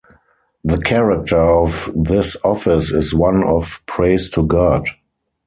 The character of this office is one of praise to God.